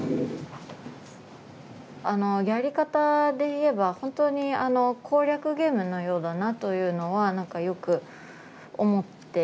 やり方で言えば本当に攻略ゲームのようだなというのはなんかよく思って。